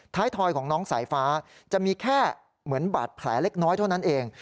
ทอยของน้องสายฟ้าจะมีแค่เหมือนบาดแผลเล็กน้อยเท่านั้นเอง